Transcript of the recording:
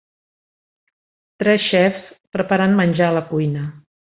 Tres xefs preparant menjar a la cuina.